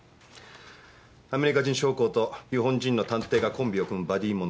アメリカ人将校と日本人の探偵がコンビを組むバディ物。